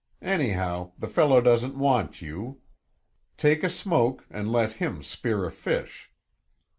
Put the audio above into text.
Anyhow, the fellow doesn't want you. Take a smoke and let him spear a fish."